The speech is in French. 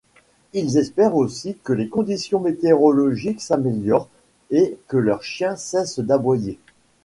Ils espèrent aussi que les conditions météorologiques s'améliorent et que leur chien cesse d'aboyer.